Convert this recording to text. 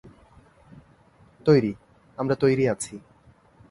তৈরি, আমরা তৈরি আছি।